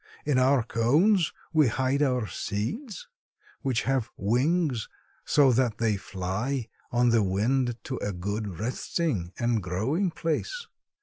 In our cones we hide our seeds, which have wings, so that they fly on the wind to a good resting and growing place.